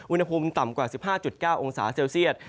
อุณหภูมิต่ำกว่า๑๕๙องศาเซลเซียต